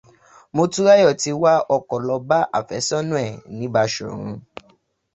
Motúnráyọ̀ ti wa ọkọ̀ ló bá àfẹ́ssọ́nà ẹ̀ ní Bashọ̀run